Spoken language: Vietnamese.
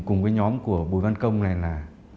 cùng với nhóm của bùi văn công này là